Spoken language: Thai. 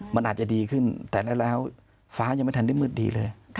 มันอาจจะดีขึ้นแต่แล้วฟ้ายังไม่ทันได้มืดดีเลย